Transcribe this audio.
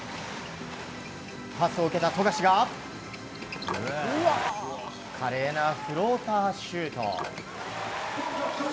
パスを受けた富樫が華麗なフローターシュート。